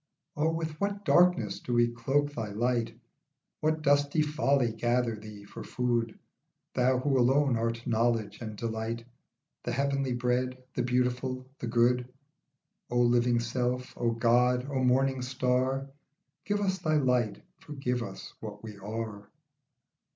O with what darkness do we cloak thy light, What dusty folly gather thee for food, Thou who alone art knowledge and delight, The heavenly bread, the beautiful, the good. O living self, O God, O morning star, Give us thy light, forgive us what we are.